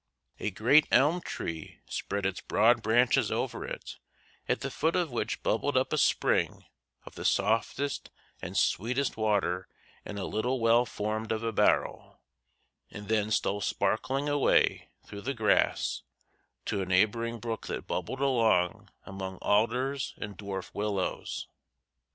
A great elm tree spread its broad branches over it, at the foot of which bubbled up a spring of the softest and sweetest water in a little well formed of a barrel, and then stole sparkling away through the grass to a neighboring brook that bubbled along among alders and dwarf willows.